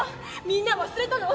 みんな忘れたの？